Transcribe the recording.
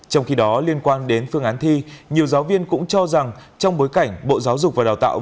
trong khi đó liên quan đến phương án thi nhiều giáo viên cũng cho rằng trong bối cảnh bộ giáo dục và đào tạo